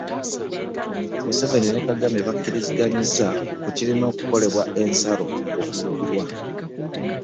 Museveni ne Kagame bakkiriziganyizza ku kirina okukolebwa ensalo okuggulwa